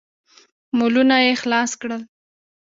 مولونه يې خلاص کړل.